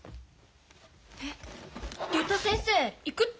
えっ竜太先生行くって？